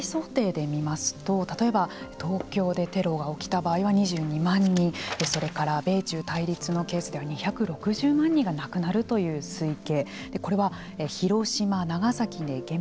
被害想定でみますと例えば東京でテロが起きた場合はそれから米中対立のケースでは２６０万人が亡くなるという推計。